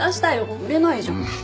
売れないじゃん。